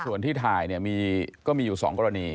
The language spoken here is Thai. ส่วนที่ถ่ายเนี่ยก็มีอยู่๒กรณี